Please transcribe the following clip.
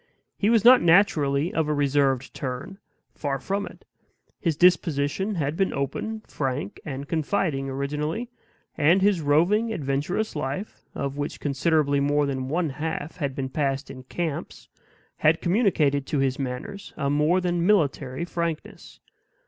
He was not naturally of a reserved turn; far from it. His disposition had been open, frank, and confiding, originally; and his roving, adventurous life, of which considerably more than one half had been passed in camps, had communicated to his manners a more than military frankness.